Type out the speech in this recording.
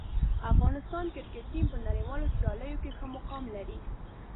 افغانستان کرکټ ټیم په نړیوالو سیالیو کې ښه مقام لري.